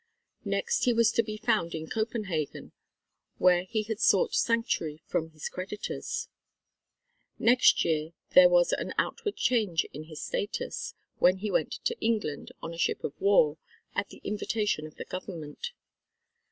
Next he was to be found in Copenhagen where he had sought sanctuary from his creditors. Next year there was an outward change in his status, when he went to England, on a ship of war, at the invitation of the Government.